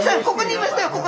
ここにいましたよ